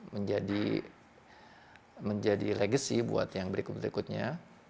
menjadi legacy buat yang berikut berikutnya